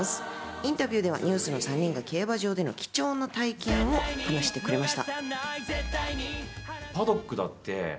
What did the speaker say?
インタビューではＮＥＷＳの３人が競馬場での貴重な体験を話してくれました。